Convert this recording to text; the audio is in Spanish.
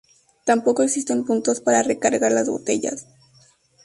Tampoco existen puntos para recargar las botellas.